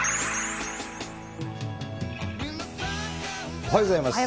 おはようございます。